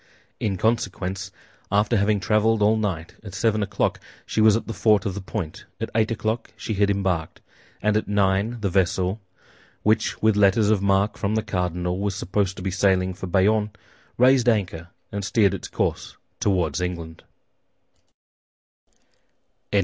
In consequence, after having traveled all night, at seven o'clock she was at the fort of the Point; at eight o'clock she had embarked; and at nine, the vessel, which with letters of marque from the cardinal was supposed to be sailing for Bayonne, raised anchor, and steered its course toward England.